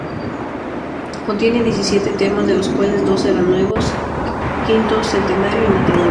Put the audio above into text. Contiene diecisiete temas, de los cuales dos eran nuevos: "V Centenario" y "Matador".